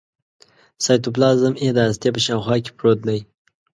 سایتوپلازم یې د هستې په شاوخوا کې پروت دی.